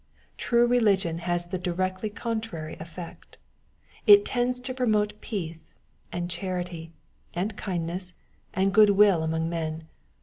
True religion has the directly contrary effect. It tends to promote peace, and charity, ^and kindness, and good will among men.